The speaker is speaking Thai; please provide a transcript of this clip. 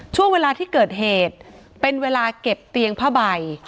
ช่วงเวลาที่เกิดเหตุเป็นเวลาเก็บเตียงผ้าใบ